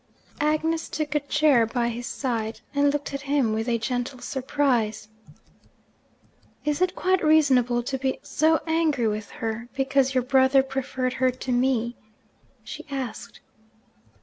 Agnes took a chair by his side, and looked at him with a gentle surprise. 'Is it quite reasonable to be so angry with her, because your brother preferred her to me?' she asked.